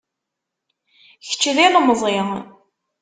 Kečč d ilemẓi.